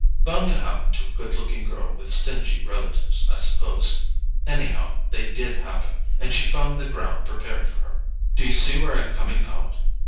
Bound to happen to a good looking girl with stingy relatives, I suppose; anyhow, they DID happen, and she found the ground prepared for her. Do you see where I'm coming out?